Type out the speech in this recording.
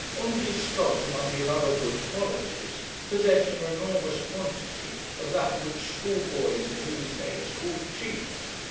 Undy Scott, among his other good qualities, possessed an enormous quantity of that which schoolboys in these days call 'cheek.'